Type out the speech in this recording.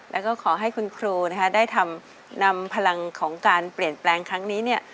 แล้วก็ขอให้คุณครูได้นำพลังของการเปลี่ยนแปลงครั้งนี้